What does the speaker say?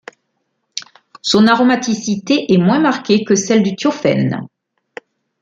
Son aromaticité est moins marquée que celle du thiophène.